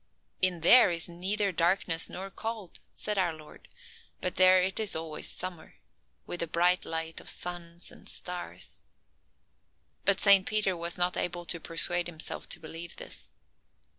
"In there is neither darkness nor cold," said our Lord, "but there it is always summer, with the bright light of suns and stars." But Saint Peter was not able to persuade himself to believe this.